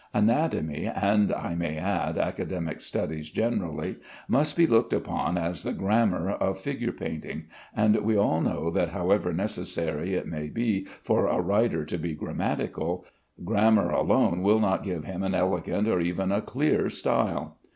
Anatomy, and, I may add, academic studies generally, must be looked upon as the grammar of figure painting, and we all know that however necessary it may be for a writer to be grammatical, grammar alone will not give him an elegant or even a clear style.